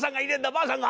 ばあさんが！